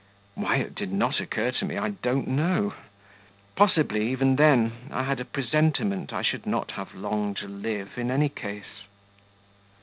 Why it did not occur to me I don't know.... Possibly, even then, I had a presentiment I should not have long to live in any case.